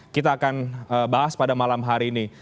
kita akan bahas pada malam hari ini